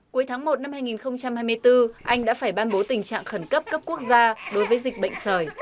cuối tháng một năm hai nghìn hai mươi bốn anh đã phải ban bố tình trạng khẩn cấp cấp quốc gia đối với dịch bệnh sởi